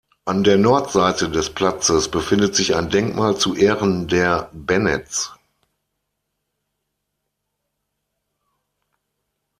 An der Nordseite des Platzes befindet sich ein Denkmal zu Ehren der Bennetts.